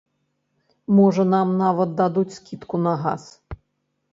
Можа, нам нават дадуць скідку на газ!